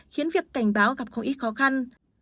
khiến việc cảnh báo gặp không ít khó khăn